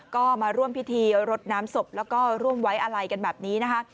ก็มาร่วมพิธีรดน้ำศพแล้วก็ร่วมไว้อะไรกันแบบนี้นะคะ